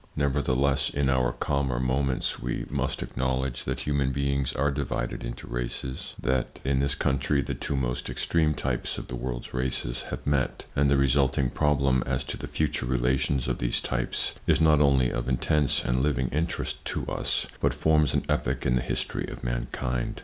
Nevertheless, in our calmer moments we must acknowledge that human beings are divided into races; that in this country the two most extreme types of the world's races have met, and the resulting problem as to the future relations of these types is not only of intense and living interest to us, but forms an epoch in the history of mankind.